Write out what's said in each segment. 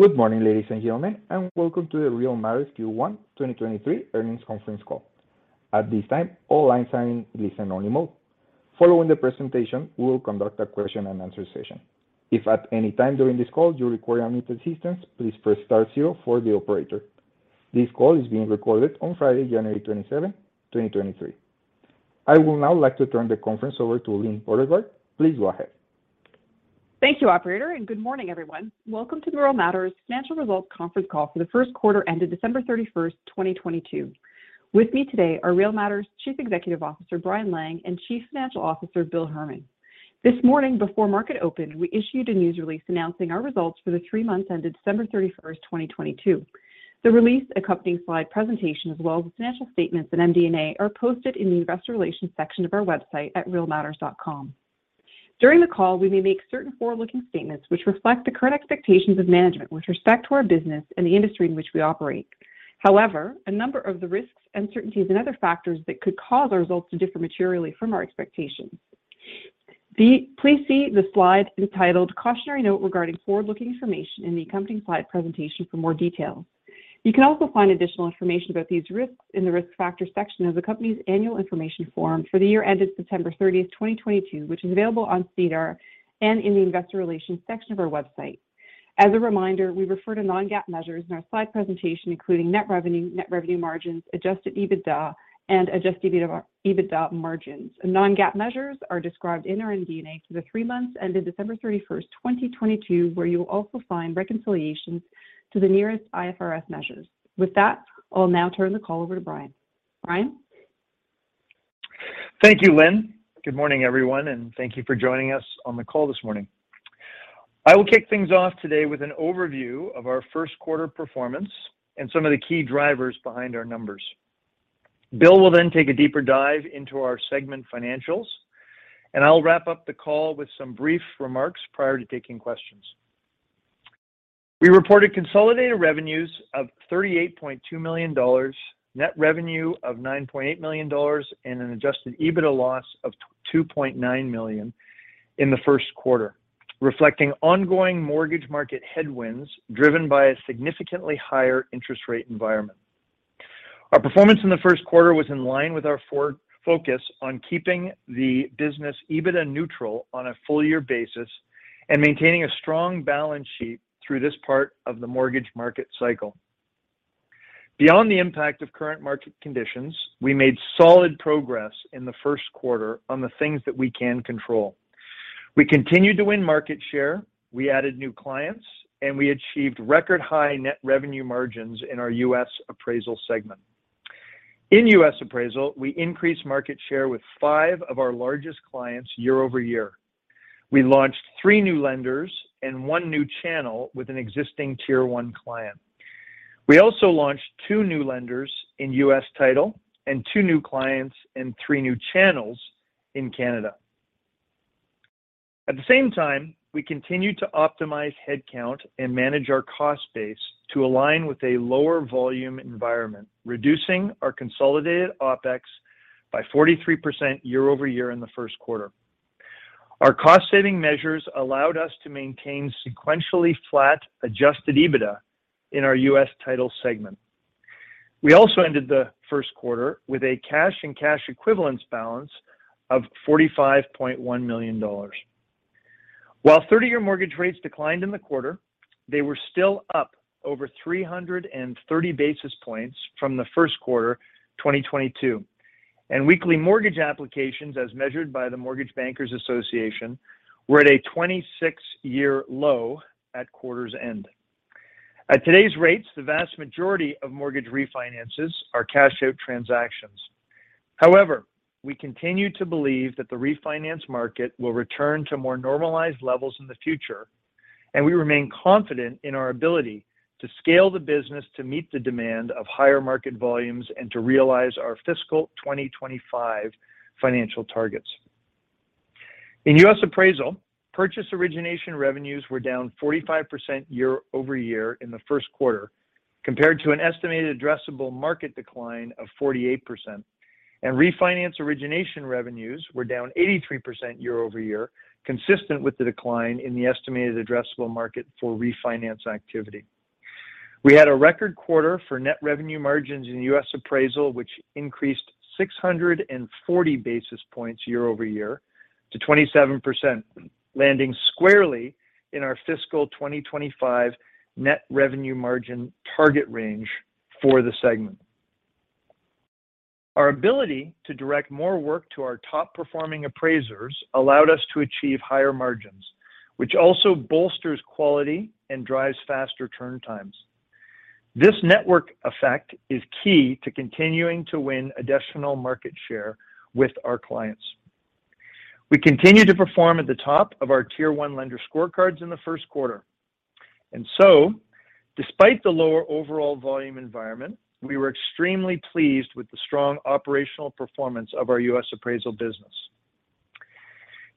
Good morning, ladies and gentlemen, welcome to the Real Matters Q1 2023 Earnings Conference Call. At this time, all lines are in listen-only mode. Following the presentation, we will conduct a question-and-answer session. If at any time during this call you require any assistance, please press star zero for the operator. This call is being recorded on Friday, January 27th, 2023. I would now like to turn the conference over to Lynn Beauregard. Please go ahead. Thank you, operator. Good morning, everyone. Welcome to the Real Matters Financial Results Conference Call for the Q1 ended December 31st, 2022. With me today are Real Matters Chief Executive Officer Brian Lang and Chief Financial Officer Bill Herman. This morning before market opened, we issued a news release announcing our results for the three months ended December 31st, 2022. The release accompanying slide presentation as well as financial statements in MD&A are posted in the investor relations section of our website at realmatters.com. During the call, we may make certain forward-looking statements which reflect the current expectations of management with respect to our business and the industry in which we operate. A number of the risks, uncertainties and other factors that could cause our results to differ materially from our expectations. Please see the slide entitled Cautionary Note regarding forward-looking information in the accompanying slide presentation for more details. You can also find additional information about these risks in the Risk Factors section of the company's Annual Information Form for the year ended September 30, 2022, which is available on SEDAR and in the investor relations section of our website. As a reminder, we refer to non-GAAP measures in our slide presentation, including net revenue, net revenue margins, adjusted EBITDA and adjusted EBITDA margins. Non-GAAP measures are described in our MD&A for the three months ended December 31, 2022, where you will also find reconciliations to the nearest IFRS measures. With that, I'll now turn the call over to Brian. Brian? Thank you, Lynn. Good morning, everyone, thank you for joining us on the call this morning. I will kick things off today with an overview of our first quarter performance and some of the key drivers behind our numbers. Bill will then take a deeper dive into our segment financials, I'll wrap up the call with some brief remarks prior to taking questions. We reported consolidated revenues of $38.2 million, net revenue of $9.8 million, and an adjusted EBITDA loss of $2.9 million in the first quarter, reflecting ongoing mortgage market headwinds driven by a significantly higher interest rate environment. Our performance in the first quarter was in line with our focus on keeping the business EBITDA neutral on a full year basis and maintaining a strong balance sheet through this part of the mortgage market cycle. Beyond the impact of current market conditions, we made solid progress in the first quarter on the things that we can control. We continued to win market share. We added new clients, and we achieved record high net revenue margins in our U.S. Appraisal segment. In U.S. Appraisal, we increased market share with five of our largest clients year-over-year. We launched three new lenders and one new channel with an existing tier one client. We also launched two new lenders in U.S. Title and two new clients and three new channels in Canada. At the same time, we continued to optimize headcount and manage our cost base to align with a lower volume environment, reducing our consolidated OpEx by 43% year-over-year in the first quarter. Our cost-saving measures allowed us to maintain sequentially flat adjusted EBITDA in our U.S. Title segment. We also ended the first quarter with a cash and cash equivalents balance of $45.1 million. While 30-year mortgage rates declined in the quarter, they were still up over 330 basis points from the first quarter 2022. Weekly mortgage applications, as measured by the Mortgage Bankers Association, were at a 26-year low at quarter's end. At today's rates, the vast majority of mortgage refinances are cash-out transactions. However, we continue to believe that the refinance market will return to more normalized levels in the future, and we remain confident in our ability to scale the business to meet the demand of higher market volumes and to realize our fiscal 2025 financial targets. In U.S. Appraisal, purchase origination revenues were down 45% year-over-year in the first quarter compared to an estimated addressable market decline of 48%. Refinance origination revenues were down 83% year-over-year, consistent with the decline in the estimated addressable market for refinance activity. We had a record quarter for net revenue margins in U.S. Appraisal, which increased 640 basis points year-over-year to 27%, landing squarely in our fiscal 2025 net revenue margin target range for the segment. Our ability to direct more work to our top-performing appraisers allowed us to achieve higher margins, which also bolsters quality and drives faster turn times. This network effect is key to continuing to win additional market share with our clients. We continue to perform at the top of our Tier 1 lender scorecards in the first quarter. Despite the lower overall volume environment, we were extremely pleased with the strong operational performance of our U.S. Appraisal business.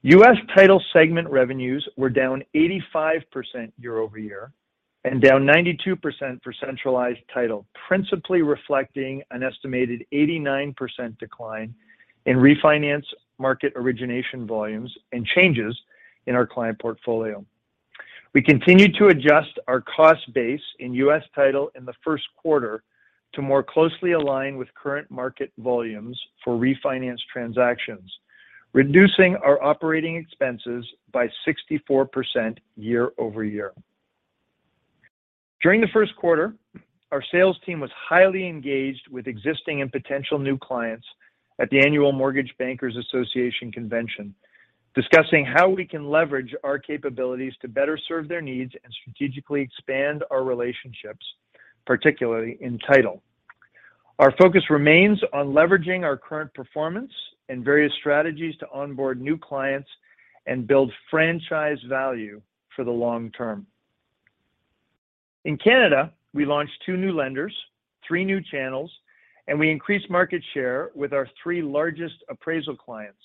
U.S. Title segment revenues were down 85% year-over-year and down 92% for centralized title, principally reflecting an estimated 89% decline in refinance market origination volumes and changes in our client portfolio. We continued to adjust our cost base in U.S. Title in the first quarter to more closely align with current market volumes for refinance transactions, reducing our operating expenses by 64% year-over-year. During the first quarter, our sales team was highly engaged with existing and potential new clients at the annual Mortgage Bankers Association convention, discussing how we can leverage our capabilities to better serve their needs and strategically expand our relationships, particularly in Title. Our focus remains on leveraging our current performance and various strategies to onboard new clients and build franchise value for the long term. In Canada, we launched two new lenders, three new channels, and we increased market share with our three largest appraisal clients.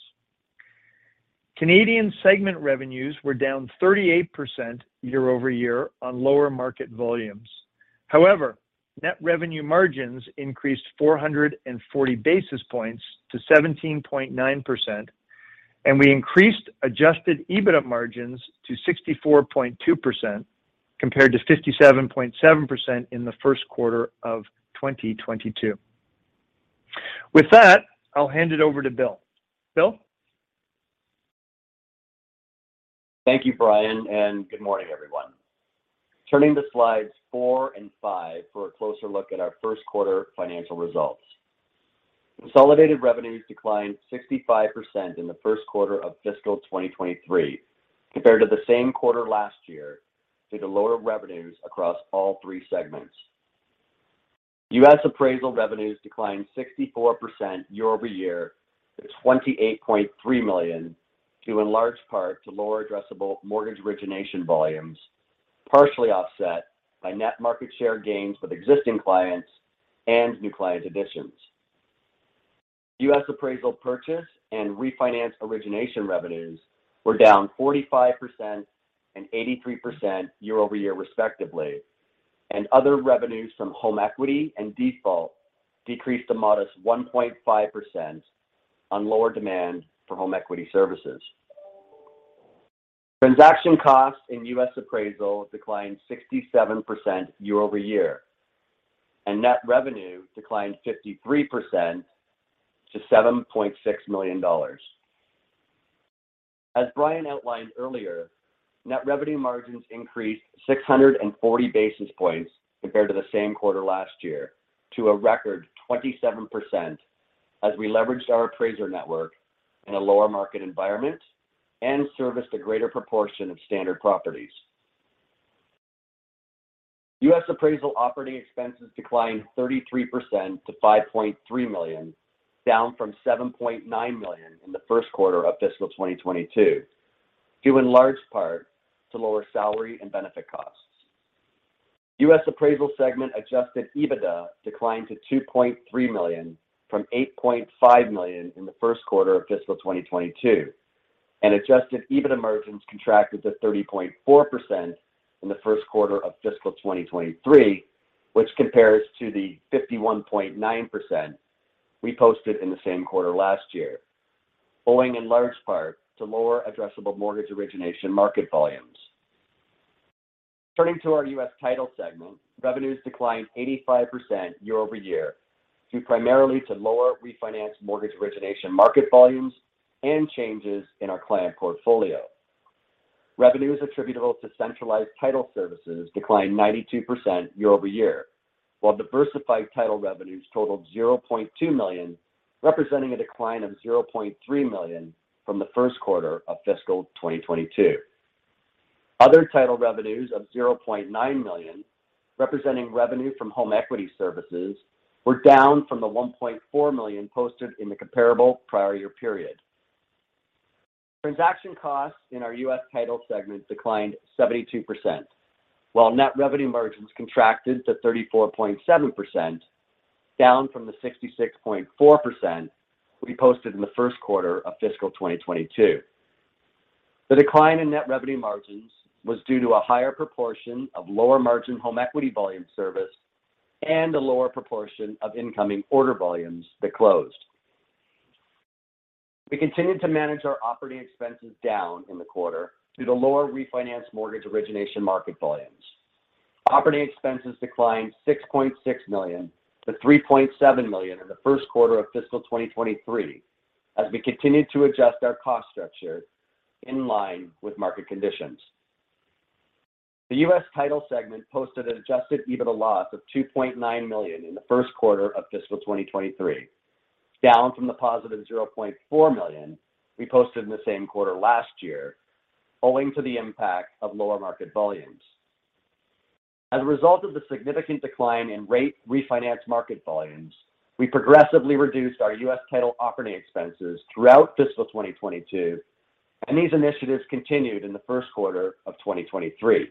Canadian segment revenues were down 38% year-over-year on lower market volumes. Net revenue margins increased 440 basis points to 17.9%, and we increased adjusted EBITDA margins to 64.2% compared to 57.7% in the first quarter of 2022. With that, I'll hand it over to Bill. Bill? Thank you, Brian. Good morning, everyone. Turning to slides four and five for a closer look at our first quarter financial results. Consolidated revenues declined 65% in the first quarter of fiscal 2023 compared to the same quarter last year due to lower revenues across all three segments. U.S. Appraisal revenues declined 64% year-over-year to $28.3 million due in large part to lower addressable mortgage origination volumes, partially offset by net market share gains with existing clients and new client additions. U.S. Appraisal purchase and refinance origination revenues were down 45% and 83% year-over-year respectively. Other revenues from home equity and default decreased a modest 1.5% on lower demand for home equity services. Transaction costs in U.S. Appraisal declined 67% year-over-year, and net revenue declined 53% to $7.6 million. As Brian outlined earlier, net revenue margins increased 640 basis points compared to the same quarter last year to a record 27% as we leveraged our appraiser network in a lower market environment and serviced a greater proportion of standard properties. U.S. Appraisal operating expenses declined 33% to $5.3 million, down from $7.9 million in the first quarter of fiscal 2022, due in large part to lower salary and benefit costs. U.S. Appraisal segment adjusted EBITDA declined to $2.3 million from $8.5 million in the first quarter of fiscal 2022. Adjusted EBITDA margins contracted to 30.4% in the first quarter of fiscal 2023, which compares to the 51.9% we posted in the same quarter last year, owing in large part to lower addressable mortgage origination market volumes. Turning to our U.S. Title segment, revenues declined 85% year-over-year due primarily to lower refinance mortgage origination market volumes and changes in our client portfolio. Revenues attributable to centralized title services declined 92% year-over-year, while diversified title revenues totaled $0.2 million, representing a decline of $0.3 million from the first quarter of fiscal 2022. Other title revenues of $0.9 million, representing revenue from home equity services, were down from the $1.4 million posted in the comparable prior year period. Transaction costs in our U.S. Title segment declined 72%, while net revenue margins contracted to 34.7%, down from the 66.4% we posted in the first quarter of fiscal 2022. The decline in net revenue margins was due to a higher proportion of lower margin home equity volume service and a lower proportion of incoming order volumes that closed. We continued to manage our operating expenses down in the quarter due to lower refinance mortgage origination market volumes. Operating expenses declined $6.6 million to $3.7 million in the first quarter of fiscal 2023 as we continued to adjust our cost structure in line with market conditions. The U.S. Title segment posted an adjusted EBITDA loss of $2.9 million in the first quarter of fiscal 2023, down from the positive $0.4 million we posted in the same quarter last year, owing to the impact of lower market volumes. As a result of the significant decline in rate refinance market volumes, we progressively reduced our U.S. Title operating expenses throughout fiscal 2022, and these initiatives continued in the first quarter of 2023.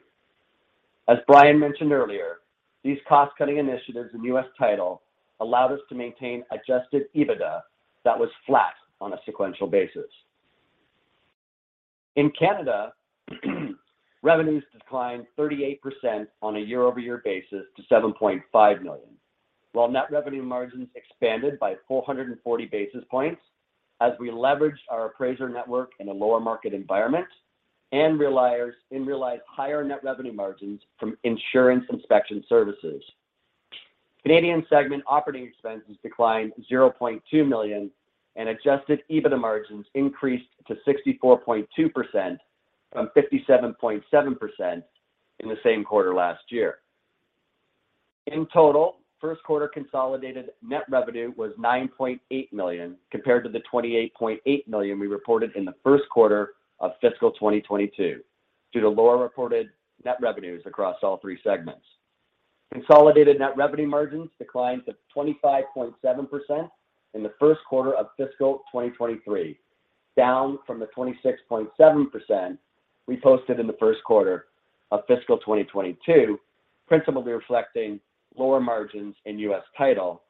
As Brian mentioned earlier, these cost-cutting initiatives in U.S. Title allowed us to maintain adjusted EBITDA that was flat on a sequential basis. In Canada, revenues declined 38% on a year-over-year basis to 7.5 million. While net revenue margins expanded by 440 basis points as we leveraged our appraiser network in a lower market environment and realized higher net revenue margins from insurance inspection services. Canadian segment operating expenses declined 0.2 million and adjusted EBITDA margins increased to 64.2% from 57.7% in the same quarter last year. In total, first quarter consolidated net revenue was $9.8 million, compared to the $28.8 million we reported in the first quarter of fiscal 2022 due to lower reported net revenues across all three segments. Consolidated net revenue margins declined to 25.7% in the first quarter of fiscal 2023, down from the 26.7% we posted in the first quarter of fiscal 2022, principally reflecting lower margins in U.S. Title,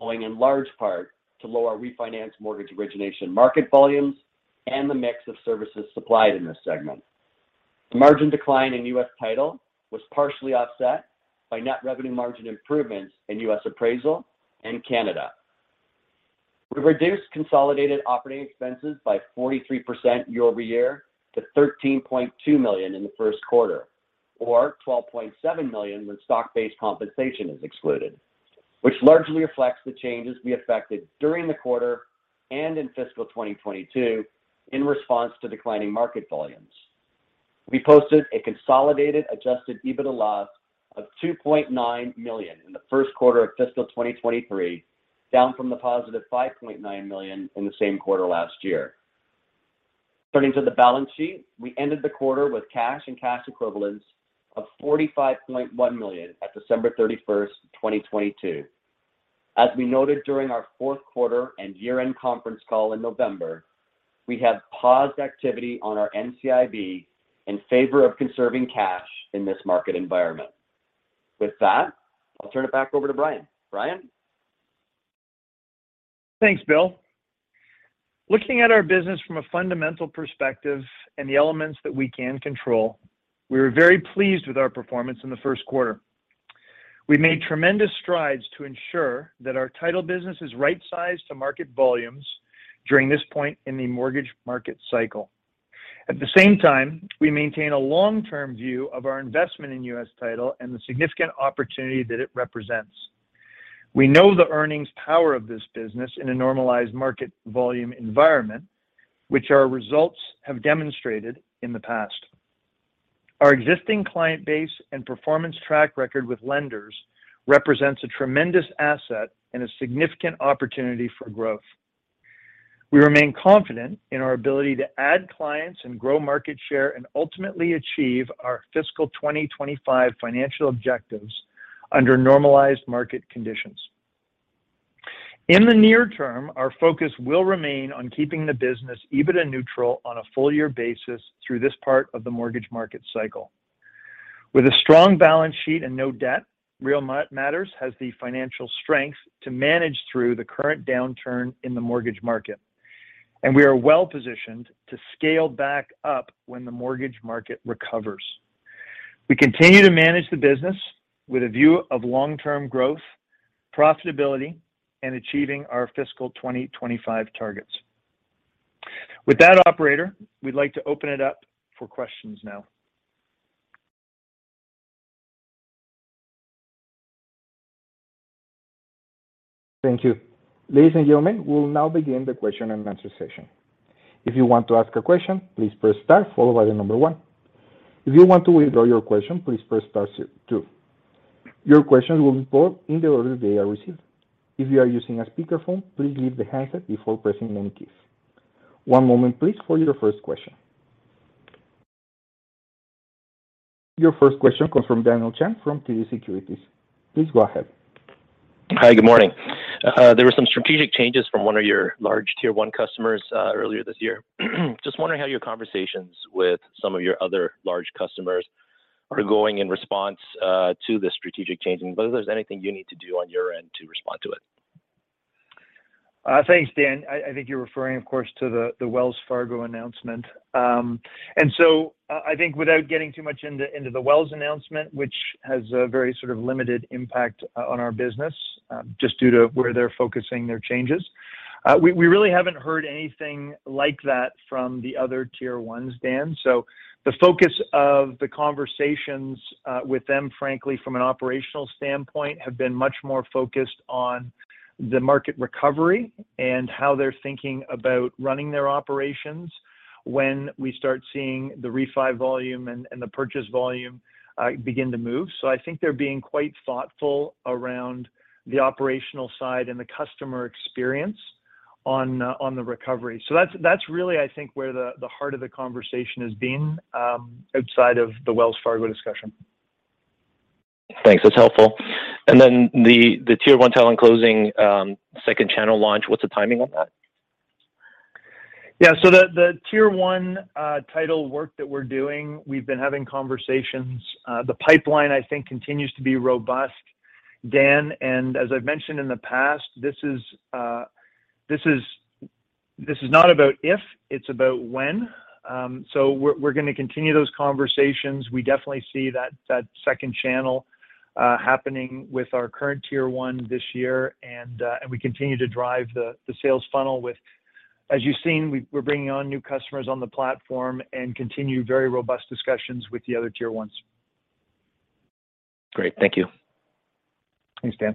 owing in large part to lower refinance mortgage origination market volumes and the mix of services supplied in this segment. The margin decline in U.S. Title was partially offset by net revenue margin improvements in U.S. Appraisal and Canada. We reduced consolidated operating expenses by 43% year-over-year to $13.2 million in the first quarter, or $12.7 million when stock-based compensation is excluded, which largely reflects the changes we affected during the quarter and in fiscal 2022 in response to declining market volumes. We posted a consolidated adjusted EBITDA loss of $2.9 million in the first quarter of fiscal 2023, down from the positive $5.9 million in the same quarter last year. Turning to the balance sheet, we ended the quarter with cash and cash equivalents of $45.1 million at December 31, 2022. As we noted during our fourth quarter and year-end conference call in November, we have paused activity on our NCIB in favor of conserving cash in this market environment. I'll turn it back over to Brian. Brian? Thanks, Bill. Looking at our business from a fundamental perspective and the elements that we can control, we were very pleased with our performance in the first quarter. We made tremendous strides to ensure that our title business is right-sized to market volumes during this point in the mortgage market cycle. At the same time, we maintain a long-term view of our investment in U.S. Title and the significant opportunity that it represents. We know the earnings power of this business in a normalized market volume environment, which our results have demonstrated in the past. Our existing client base and performance track record with lenders represents a tremendous asset and a significant opportunity for growth. We remain confident in our ability to add clients and grow market share, and ultimately achieve our fiscal 2025 financial objectives under normalized market conditions. In the near term, our focus will remain on keeping the business EBITDA neutral on a full year basis through this part of the mortgage market cycle. With a strong balance sheet and no debt, Real Matters has the financial strength to manage through the current downturn in the mortgage market. We are well-positioned to scale back up when the mortgage market recovers. We continue to manage the business with a view of long-term growth, profitability, and achieving our fiscal 2025 targets. With that, operator, we'd like to open it up for questions now. Thank you. Ladies and gentlemen, we'll now begin the question and answer session. If you want to ask a question, please press star followed by the number one. If you want to withdraw your question, please press star two. Your questions will be put in the order they are received. If you are using a speakerphone, please leave the handset before pressing any keys. One moment please for your first question. Your first question comes from Daniel Chan from TD Securities. Please go ahead. Hi. Good morning. There were some strategic changes from one of your large tier one customers earlier this year. Just wondering how your conversations with some of your other large customers are going in response to the strategic changing, whether there's anything you need to do on your end to respond to it? Thanks, Dan. I think you're referring, of course, to the Wells Fargo announcement. I think without getting too much into the Wells announcement, which has a very sort of limited impact on our business, just due to where they're focusing their changes, we really haven't heard anything like that from the other tier ones, Dan. The focus of the conversations, with them, frankly, from an operational standpoint, have been much more focused on the market recovery and how they're thinking about running their operations when we start seeing the refi volume and the purchase volume begin to move. I think they're being quite thoughtful around the operational side and the customer experience on the recovery. That's, that's really, I think, where the heart of the conversation has been, outside of the Wells Fargo discussion. Thanks. That's helpful. Then the tier one title and closing, second channel launch, what's the timing on that? Yeah. The, the tier one title work that we're doing, we've been having conversations. The pipeline, I think, continues to be robust, Dan. As I've mentioned in the past, this is, this is not about if, it's about when. We're, we're gonna continue those conversations. We definitely see that second channel happening with our current tier one this year. We continue to drive the sales funnel with... As you've seen, we're bringing on new customers on the platform and continue very robust discussions with the other tier ones. Great. Thank you. Thanks, Dan.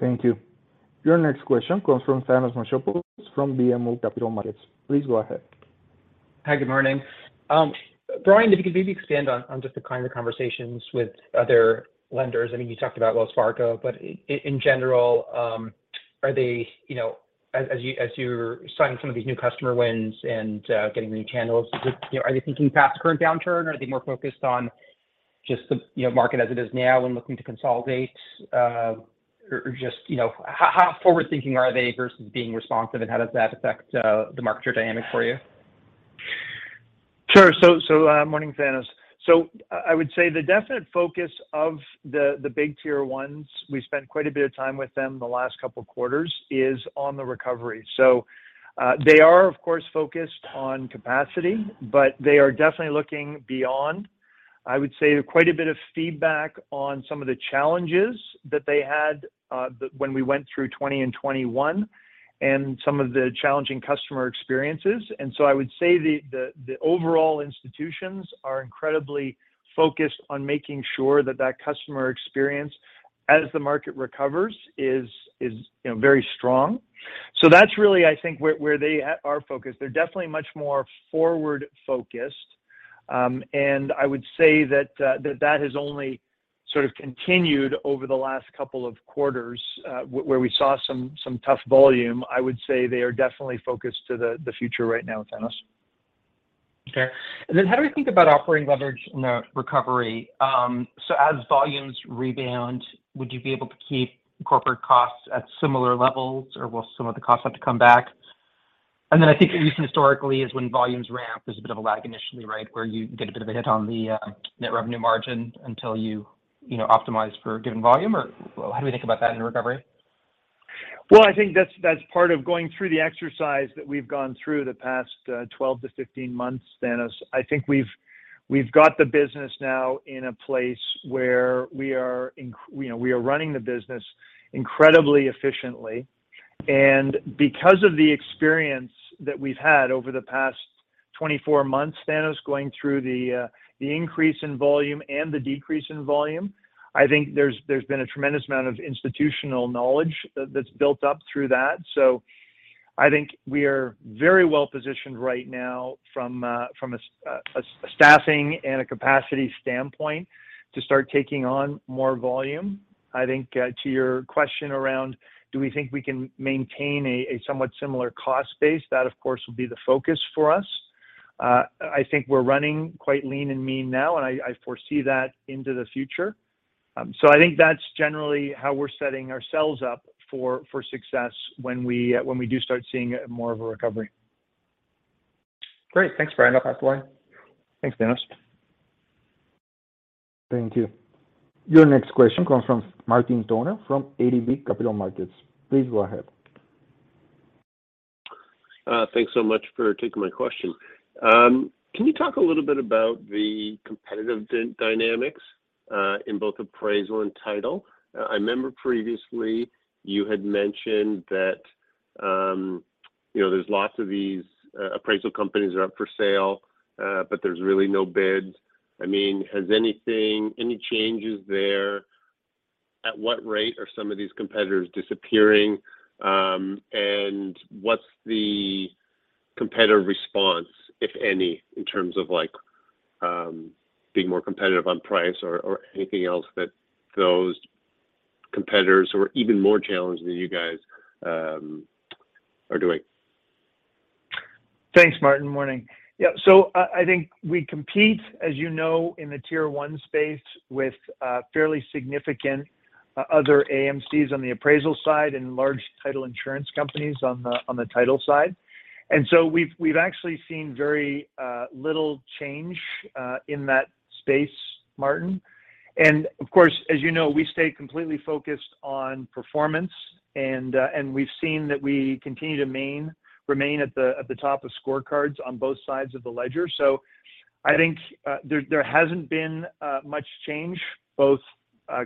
Thank you. Your next question comes from Thanos Moschopoulos from BMO Capital Markets. Please go ahead. Hi. Good morning. Brian, if you could maybe expand on just the kind of conversations with other lenders. I mean, you talked about Wells Fargo, but in general, are they, you know, as you're signing some of these new customer wins and getting new channels, you know, are they thinking past the current downturn, or are they more focused on just the, you know, market as it is now and looking to consolidate? Just, you know, how forward-thinking are they versus being responsive, and how does that affect the market share dynamic for you? Sure. Morning, Thanos. I would say the definite focus of the big tier ones, we spent quite a bit of time with them the last couple quarters, is on the recovery. They are of course focused on capacity, but they are definitely looking beyond. I would say quite a bit of feedback on some of the challenges that they had when we went through 2020 and 2021 and some of the challenging customer experiences. I would say the overall institutions are incredibly focused on making sure that that customer experience as the market recovers is, you know, very strong. That's really, I think where they are focused. They're definitely much more forward-focused. I would say that has only sort of continued over the last couple of quarters, where we saw some tough volume. I would say they are definitely focused to the future right now, Thanos. How do we think about operating leverage in a recovery? As volumes rebound, would you be able to keep corporate costs at similar levels, or will some of the costs have to come back? I think at least historically is when volumes ramp, there's a bit of a lag initially, right? Where you get a bit of a hit on the net revenue margin until you know, optimize for a given volume or how do we think about that in recovery? Well, I think that's part of going through the exercise that we've gone through the past, 12 to 15 months, Thanos. I think we've got the business now in a place where we are, you know, we are running the business incredibly efficiently. Because of the experience that we've had over the past 24 months, Thanos, going through the increase in volume and the decrease in volume, I think there's been a tremendous amount of institutional knowledge that's built up through that. I think we are very well positioned right now from a staffing and a capacity standpoint to start taking on more volume. I think, to your question around, do we think we can maintain a somewhat similar cost base, that of course will be the focus for us. I think we're running quite lean and mean now, and I foresee that into the future. I think that's generally how we're setting ourselves up for success when we do start seeing more of a recovery. Great. Thanks, Brian. I'll pass the line. Thanks, Thanos. Thank you. Your next question comes from Martin Toner from ATB Capital Markets. Please go ahead. Thanks so much for taking my question. Can you talk a little bit about the competitive dynamics in both appraisal and title? I remember previously you had mentioned that, you know, there's lots of these appraisal companies are up for sale, but there's really no bids. I mean, has anything, any changes there? At what rate are some of these competitors disappearing? What's the competitive response, if any, in terms of like, being more competitive on price or anything else that those competitors who are even more challenged than you guys, are doing. Thanks, Martin. Morning. Yeah. I think we compete, as you know, in the tier one space with fairly significant other AMCs on the appraisal side and large title insurance companies on the title side. We've actually seen very little change in that space, Martin. Of course, as you know, we stay completely focused on performance and we've seen that we continue to remain at the top of scorecards on both sides of the ledger. I think there hasn't been much change, both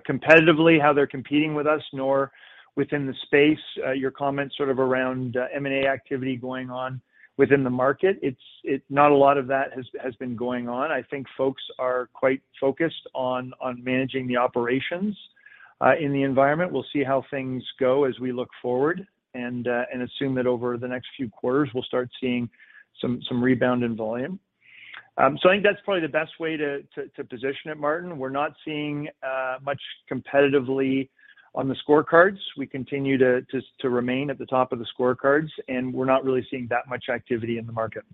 competitively, how they're competing with us, nor within the space. Your comment sort of around M&A activity going on within the market. It's not a lot of that has been going on. I think folks are quite focused on managing the operations in the environment. We'll see how things go as we look forward and assume that over the next few quarters we'll start seeing some rebound in volume. I think that's probably the best way to position it, Martin. We're not seeing much competitively on the scorecards. We continue to remain at the top of the scorecards, and we're not really seeing that much activity in the market.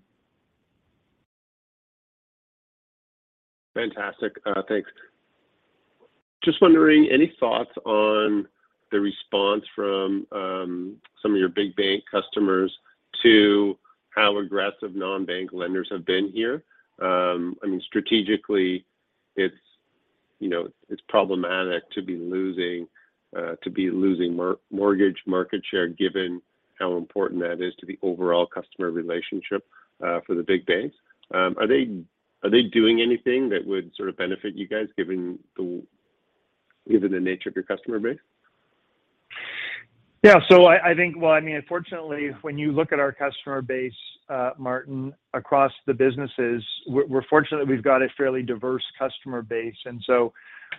Fantastic. Thanks. Just wondering, any thoughts on the response from some of your big bank customers to how aggressive non-bank lenders have been here? I mean, strategically, You know, it's problematic to be losing mortgage market share, given how important that is to the overall customer relationship for the big banks. Are they doing anything that would sort of benefit you guys, given the, given the nature of your customer base? Yeah. Well, I mean, fortunately, when you look at our customer base, Martin, across the businesses, we're fortunate we've got a fairly diverse customer base.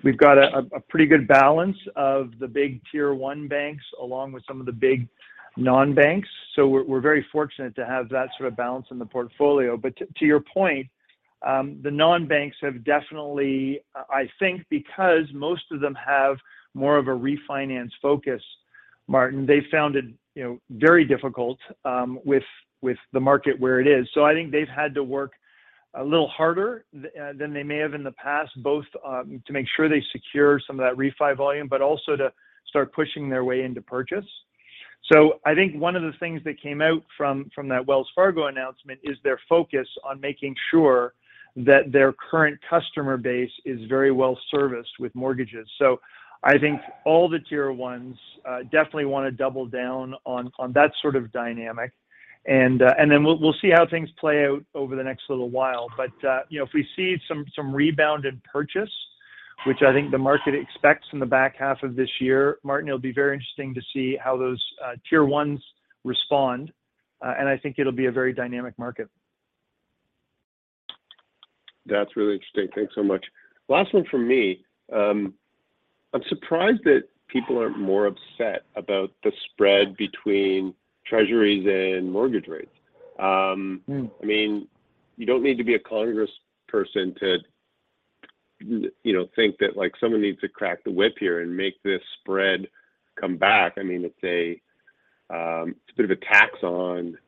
We've got a pretty good balance of the big tier one banks along with some of the big non-banks. We're very fortunate to have that sort of balance in the portfolio. To your point, the non-banks have definitely... I think because most of them have more of a refinance focus, Martin, they found it, you know, very difficult, with the market where it is. I think they've had to work a little harder than they may have in the past, both, to make sure they secure some of that refi volume, but also to start pushing their way into purchase. I think one of the things that came out from that Wells Fargo announcement is their focus on making sure that their current customer base is very well serviced with mortgages. I think all the tier ones definitely wanna double down on that sort of dynamic. Then we'll see how things play out over the next little while. You know, if we see some rebound in purchase, which I think the market expects in the back half of this year, Martin, it'll be very interesting to see how those tier ones respond. I think it'll be a very dynamic market. That's really interesting. Thanks so much. Last one from me. I'm surprised that people aren't more upset about the spread between treasuries and mortgage rates. Mm I mean, you don't need to be a Congressperson to, you know, think that, like, someone needs to crack the whip here and make this spread come back. I mean, it's a, it's a bit of a tax on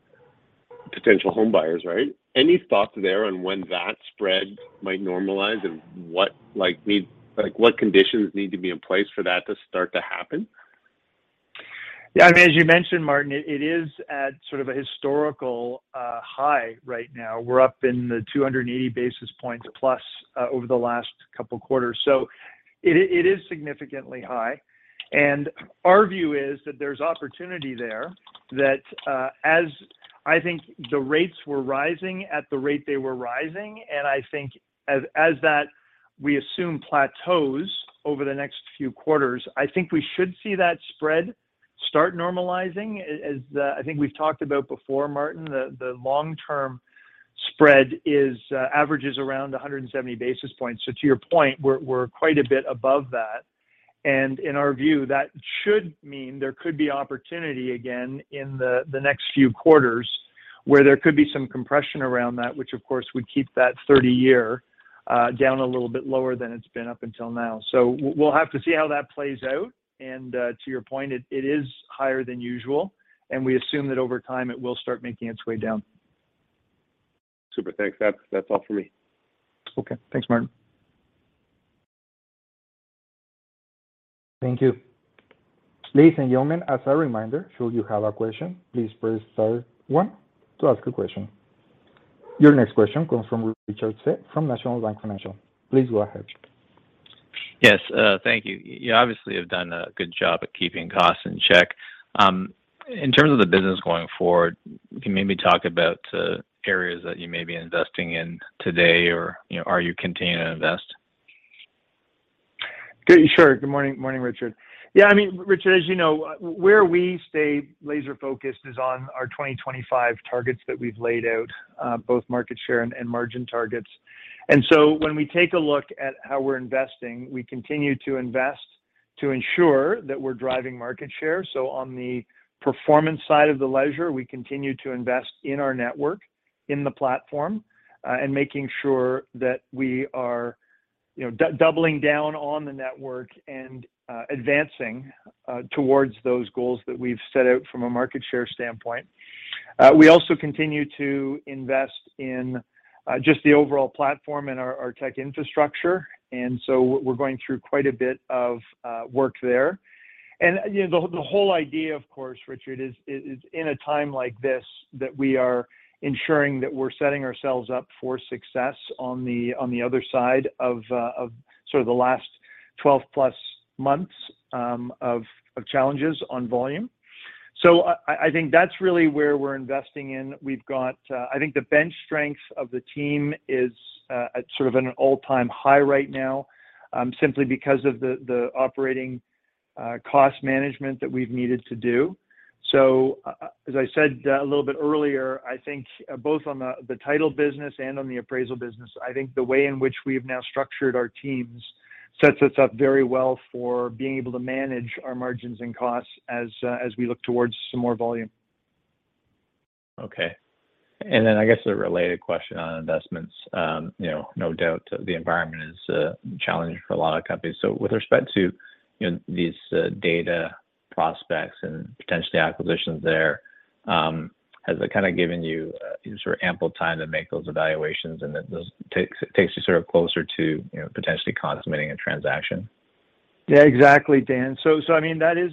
potential home buyers, right? Any thoughts there on when that spread might normalize and what, like, what conditions need to be in place for that to start to happen? Yeah. I mean, as you mentioned, Martin, it is at sort of a historical high right now. We're up in the 280 basis points plus over the last couple quarters. It is significantly high. Our view is that there's opportunity there that, as I think the rates were rising at the rate they were rising, and I think as that, we assume, plateaus over the next few quarters, I think we should see that spread start normalizing. As I think we've talked about before, Martin, the long-term spread is averages around 170 basis points. To your point, we're quite a bit above that. In our view, that should mean there could be opportunity again in the next few quarters where there could be some compression around that, which of course would keep that 30-year down a little bit lower than it's been up until now. We'll have to see how that plays out. To your point, it is higher than usual, and we assume that over time, it will start making its way down. Super. Thanks. That's all for me. Okay. Thanks, Martin. Thank you. Ladies and gentlemen, as a reminder, should you have a question, please press star one to ask a question. Your next question comes from Richard Tse from National Bank Financial. Please go ahead, Richard. Yes. Thank you. You obviously have done a good job at keeping costs in check. In terms of the business going forward, can you maybe talk about, areas that you may be investing in today or, you know, are you continuing to invest? Sure. Good morning, Richard. Yeah, I mean, Richard, as you know, where we stay laser-focused is on our 2025 targets that we've laid out, both market share and margin targets. When we take a look at how we're investing, we continue to invest to ensure that we're driving market share. On the performance side of the leisure, we continue to invest in our network, in the platform, and making sure that we are, you know, doubling down on the network and advancing towards those goals that we've set out from a market share standpoint. We also continue to invest in just the overall platform and our tech infrastructure, so we're going through quite a bit of work there? You know, the whole idea, of course, Richard, is in a time like this that we are ensuring that we're setting ourselves up for success on the other side of sort of the last 12 plus months of challenges on volume. I think that's really where we're investing in. We've got... I think the bench strength of the team is at sort of an all-time high right now simply because of the operating cost management that we've needed to do. As I said a little bit earlier, I think both on the title business and on the appraisal business, I think the way in which we have now structured our teams sets us up very well for being able to manage our margins and costs as we look towards some more volume. I guess a related question on investments. You know, no doubt the environment is challenging for a lot of companies. With respect to, you know, these data prospects and potentially acquisitions there, has it kind of given you sort of ample time to make those evaluations and that those takes you sort of closer to, you know, potentially consummating a transaction? Yeah, exactly, Dan. I mean, that is.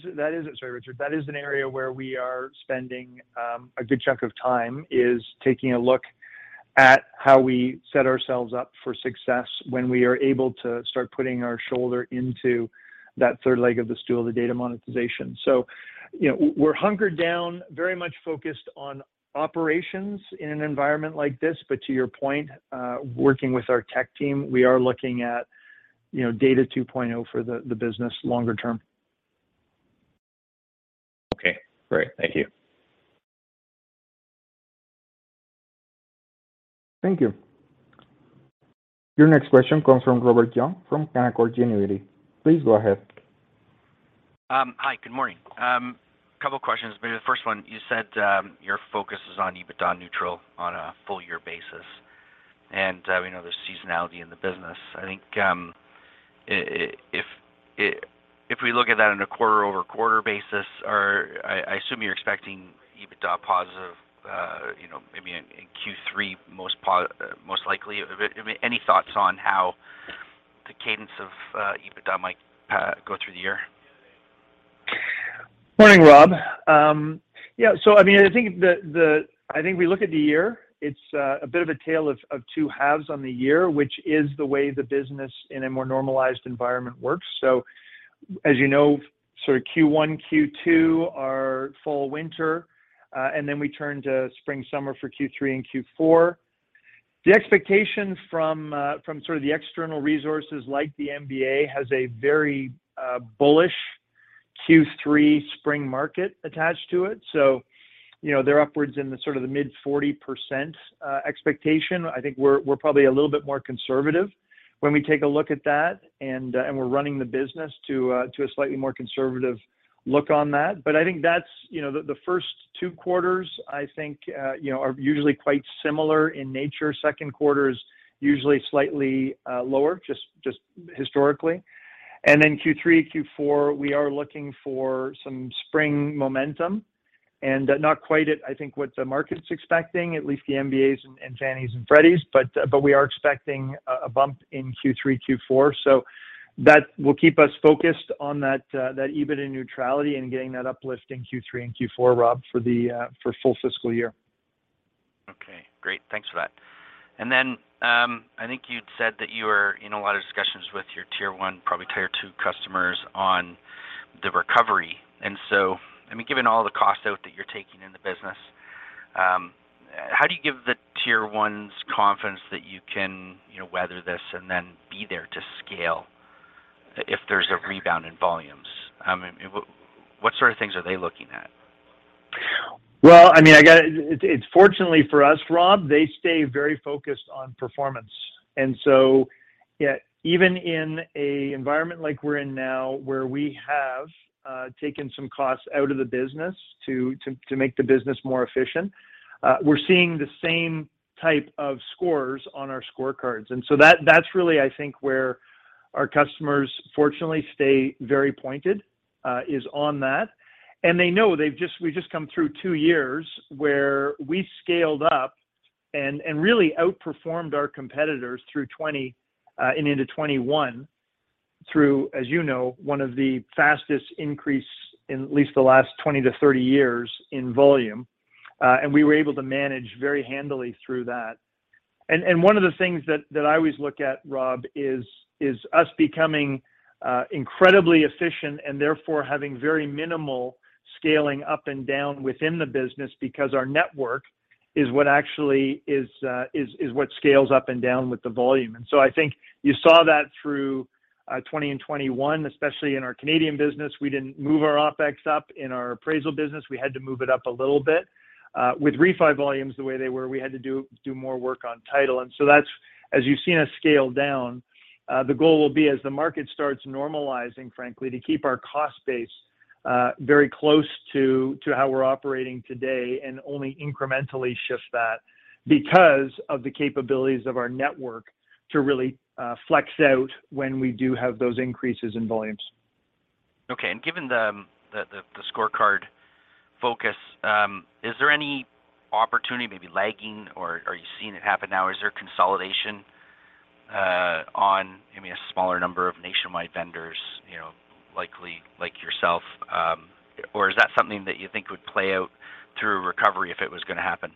Sorry, Richard. That is an area where we are spending a good chunk of time, is taking a look at how we set ourselves up for success when we are able to start putting our shoulder into that third leg of the stool, the data monetization. You know, we're hunkered down, very much focused on operations in an environment like this. To your point, working with our tech team, we are looking at, you know, data 2.0 for the business longer term. Okay, great. Thank you. Thank you. Your next question comes from Robert Young from Canaccord Genuity. Please go ahead. Hi, good morning. Couple questions. Maybe the first one, you said, your focus is on EBITDA neutral on a full year basis. We know there's seasonality in the business. I think, if we look at that in a quarter over quarter basis, or I assume you're expecting EBITDA positive, you know, maybe in Q3 most likely. I mean, any thoughts on how the cadence of EBITDA might go through the year? Morning, Rob. Yeah. I mean, I think the I think we look at the year, it's a bit of a tale of two halves on the year, which is the way the business in a more normalized environment works. As you know, sort of Q1, Q2 are fall/winter, and then we turn to spring/summer for Q3 and Q4. The expectation from sort of the external resources like the MBA has a very bullish Q3 spring market attached to it. You know, they're upwards in the sort of the mid 40% expectation. I think we're probably a little bit more conservative when we take a look at that and we're running the business to a slightly more conservative look on that. I think that's, you know... The first two quarters, I think, you know, are usually quite similar in nature. Second quarter is usually slightly lower, just historically. Then Q3, Q4, we are looking for some spring momentum. Not quite at, I think, what the market's expecting, at least the MBAs and Fannies and Freddies, but we are expecting a bump in Q3, Q4. That will keep us focused on that EBITDA neutrality and getting that uplift in Q3 and Q4, Rob, for the full fiscal year. Okay, great. Thanks for that. I think you'd said that you were in a lot of discussions with your tier one, probably tier two customers on the recovery. I mean, given all the cost out that you're taking in the business, how do you give the tier ones confidence that you can, you know, weather this and then be there to scale if there's a rebound in volumes? I mean, what sort of things are they looking at? Well, I mean, It's fortunately for us, Rob, they stay very focused on performance. Yeah, even in a environment like we're in now, where we have taken some costs out of the business to make the business more efficient, we're seeing the same type of scores on our scorecards. That's really, I think, where our customers fortunately stay very pointed, is on that. They know we've just come through two years where we scaled up and really outperformed our competitors through 2020 and into 2021 through, as you know, one of the fastest increase in at least the last 20 to 30 years in volume. And we were able to manage very handily through that. One of the things that I always look at, Rob, is us becoming incredibly efficient and therefore having very minimal scaling up and down within the business because our network is what actually is what scales up and down with the volume. I think you saw that through 2020 and 2021, especially in our Canadian business. We didn't move our OpEx up. In our appraisal business, we had to move it up a little bit. With refi volumes the way they were, we had to do more work on title. That's, as you've seen us scale down, the goal will be as the market starts normalizing, frankly, to keep our cost base, very close to how we're operating today and only incrementally shift that because of the capabilities of our network to really, flex out when we do have those increases in volumes. Okay. Given the, the scorecard focus, is there any opportunity maybe lagging or are you seeing it happen now? Is there consolidation on maybe a smaller number of nationwide vendors, you know, likely like yourself? Or is that something that you think would play out through recovery if it was gonna happen?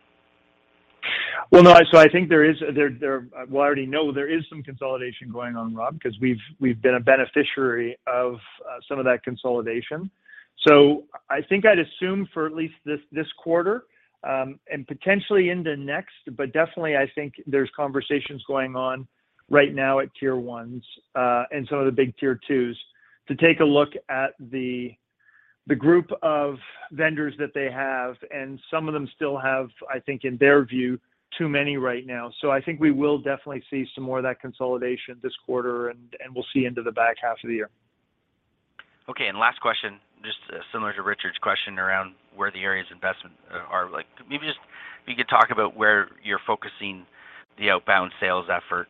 No, so I think there is. Well, I already know there is some consolidation going on, Rob, because we've been a beneficiary of some of that consolidation. I think I'd assume for at least this quarter, and potentially into next, but definitely I think there's conversations going on right now at tier 1s and some of the big tier twos to take a look at the group of vendors that they have. Some of them still have, I think in their view, too many right now. I think we will definitely see some more of that consolidation this quarter and we'll see into the back half of the year. Okay. Last question, just similar to Richard's question around where the areas investment are like? Maybe just if you could talk about where you're focusing the outbound sales effort.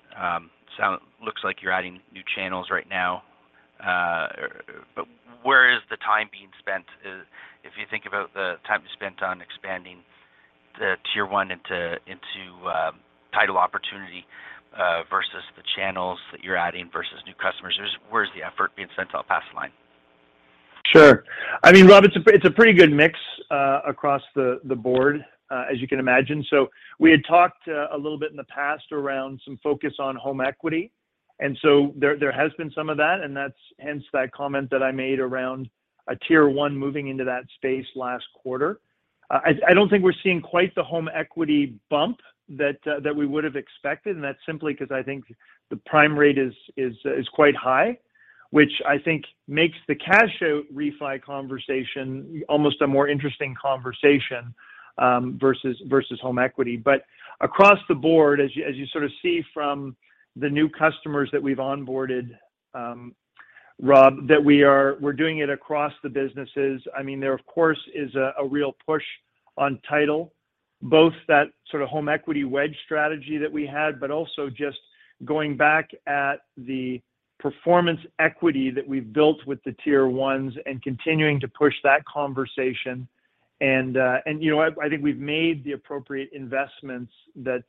Sound looks like you're adding new channels right now. Where is the time being spent? If you think about the time you spent on expanding the tier one into title opportunity versus the channels that you're adding versus new customers, where's the effort being spent on Pass Line? Sure. I mean, Rob, it's a pretty good mix across the board, as you can imagine. We had talked a little bit in the past around some focus on home equity, and so there has been some of that, and that's hence that comment that I made around a tier one moving into that space last quarter. I don't think we're seeing quite the home equity bump that we would have expected, and that's simply 'cause I think the prime rate is quite high. Which, I think, makes the cash-out refi conversation almost a more interesting conversation versus home equity. Across the board, as you sort of see from the new customers that we've onboarded, Rob, that we're doing it across the businesses. I mean, there of course is a real push on title, both that sort of home equity wedge strategy that we had, but also just going back at the performance equity that we've built with the tier ones and continuing to push that conversation. You know, I think we've made the appropriate investments that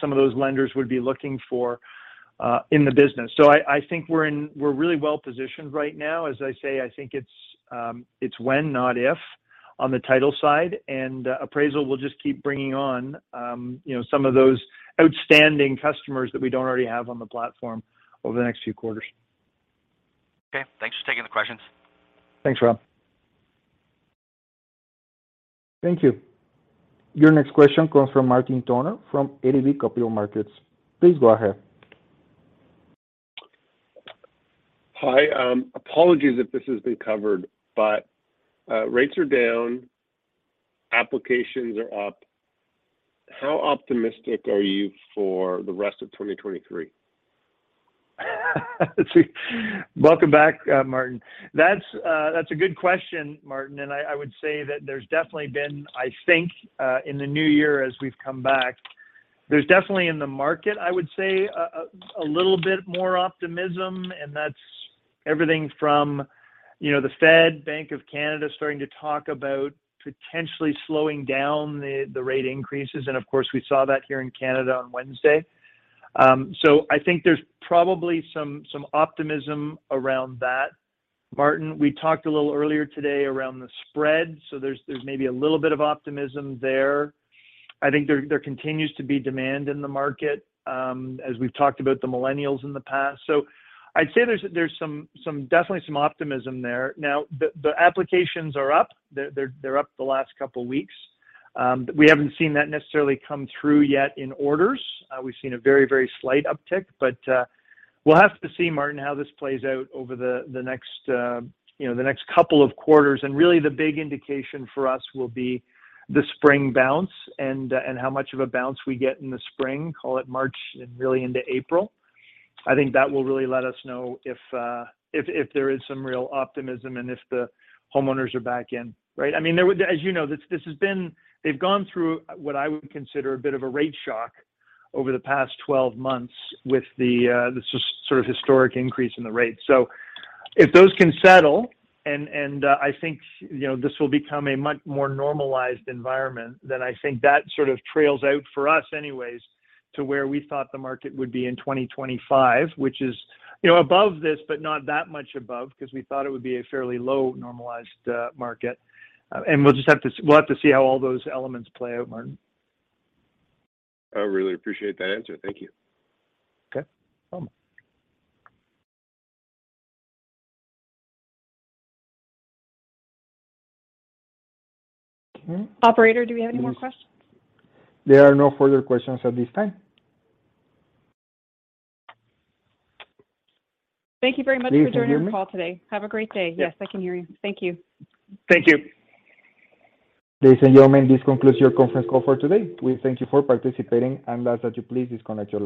some of those lenders would be looking for in the business. I think we're really well-positioned right now. As I say, I think it's when, not if, on the title side. Appraisal will just keep bringing on, you know, some of those outstanding customers that we don't already have on the platform over the next few quarters. Okay. Thanks for taking the questions. Thanks, Rob. Thank you. Your next question comes from Martin Toner from ATB Capital Markets. Please go ahead. Hi. Apologies if this has been covered, but rates are down, applications are up. How optimistic are you for the rest of 2023? Welcome back, Martin. That's a good question, Martin. I would say that there's definitely been, I think, in the new year as we've come back, there's definitely in the market, I would say, a little bit more optimism, that's everything from, you know, the Fed, Bank of Canada starting to talk about potentially slowing down the rate increases, of course, we saw that here in Canada on Wednesday. I think there's probably some optimism around that, Martin. We talked a little earlier today around the spread, there's maybe a little bit of optimism there. I think there continues to be demand in the market, as we've talked about the millennials in the past. I'd say there's some definitely some optimism there. The applications are up. They're up the last couple weeks. We haven't seen that necessarily come through yet in orders. We've seen a very, very slight uptick. We'll have to see, Martin, how this plays out over the next, you know, the next couple of quarters. Really the big indication for us will be the spring bounce and how much of a bounce we get in the spring, call it March and really into April. I think that will really let us know if there is some real optimism and if the homeowners are back in, right? I mean, as you know, they've gone through what I would consider a bit of a rate shock over the past 12 months with the sort of historic increase in the rate. If those can settle and, I think, you know, this will become a much more normalized environment, then I think that sort of trails out for us anyways to where we thought the market would be in 2025, which is, you know, above this but not that much above 'cause we thought it would be a fairly low normalized market. And we'll just have to see how all those elements play out, Martin. I really appreciate that answer. Thank you. Okay. No problem. Okay. Operator, do we have any more questions? There are no further questions at this time. Thank you very much for joining our call today. Ladies and gentlemen. Have a great day. Yes, I can hear you. Thank you. Thank you. Ladies and gentlemen, this concludes your conference call for today. We thank you for participating. May I ask that you please disconnect your lines.